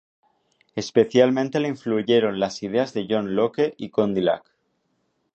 Especialmente le influyeron las ideas de John Locke y Condillac.